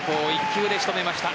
１球で仕留めました。